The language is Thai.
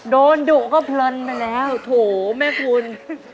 ดุก็เพลินไปแล้วโถแม่คุณ